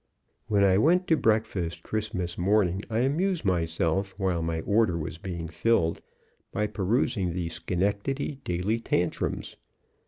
When I went to breakfast Christmas morning, I amused myself while my order was being filled by perusing the Schenectady "Daily Tantrims."